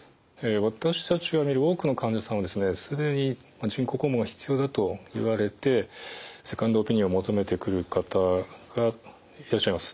私たちが診る多くの患者さんはですね既に人工肛門が必要だと言われてセカンドオピニオンを求めてくる方がいらっしゃいます。